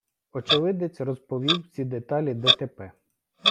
Очевидець розповів всі деталі ДТП.